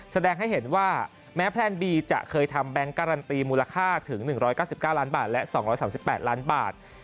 แสดงให้เห็นว่าแม้แพลนบีจะเคยทำแบงค์การันตีมูลค่าถึง๑๙๙ล้านบาทและ๒๓๘ล้านบาท